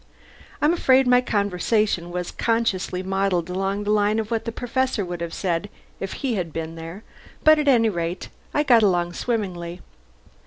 I'm afraid my conversation was consciously modelled along the line of what the Professor would have said if he had been there, but at any rate I got along swimmingly.